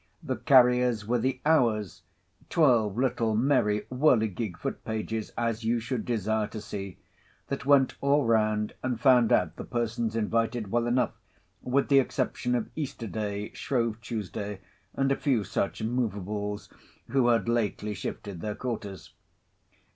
The carriers were the Hours; twelve little, merry, whirligig foot pages, as you should desire to see, that went all round, and found out the persons invited well enough, with the exception of Easter Day, Shrove Tuesday, and a few such Moveables, who had lately shifted their quarters.